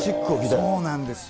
そうなんですよ。